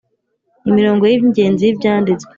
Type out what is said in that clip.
Imirongo y ingenzi y ibyanditswe